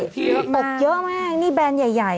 ตกเยอะมากนี่แบรนด์ใหญ่